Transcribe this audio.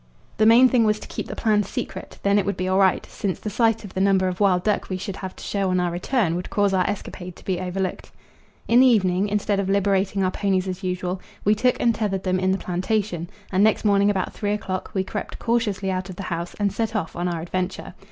The main thing was to keep the plan secret, then it would be all right, since the sight of the number of wild duck we should have to show on our return would cause our escapade to be overlooked. In the evening, instead of liberating our ponies as usual, we took and tethered them in the plantation, and next morning about three o'clock we crept cautiously out of the house and set off on our adventure.